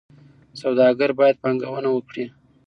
سوداګر باید پانګونه وکړي.